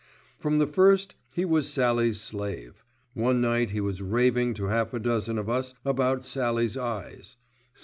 From the first he was Sallie's slave. One night he was raving to half a dozen of us about Sallie's eyes.